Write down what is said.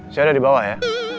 saya ada di bawah ya